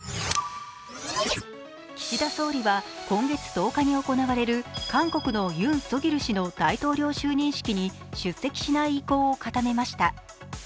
岸田総理は今月１０日に行われる韓国のユン・ソギョル氏の大統領就任式に出席しない意向を固めました。